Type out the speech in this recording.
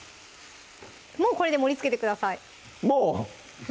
もうこれで盛りつけてくださいもう？